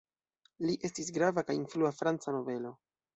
Li estis grava kaj influa franca nobelo.